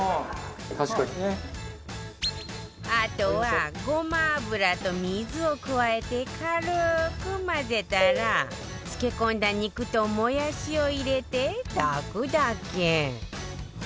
あとはごま油と水を加えて軽く混ぜたら漬け込んだ肉ともやしを入れて炊くだけ